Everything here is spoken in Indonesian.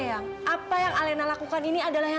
apa yang dilakukan sama alena